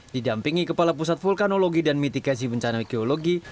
didampingi kepala pusat vulkanologi dan mitigasi bencana geologi